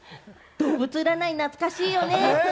動物占い懐かしいよね。